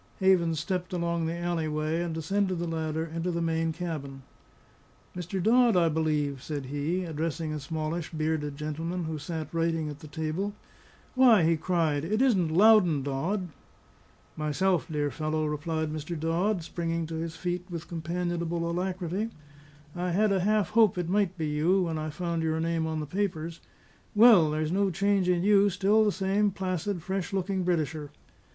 Havens stepped along the alley way, and descended the ladder into the main cabin. "Mr. Dodd, I believe," said he, addressing a smallish, bearded gentleman, who sat writing at the table. "Why," he cried, "it isn't Loudon Dodd?" "Myself, my dear fellow," replied Mr. Dodd, springing to his feet with companionable alacrity. "I had a half hope it might be you, when I found your name on the papers. Well, there's no change in you; still the same placid, fresh looking Britisher."